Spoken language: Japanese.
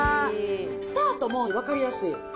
スタートも分かりやすい。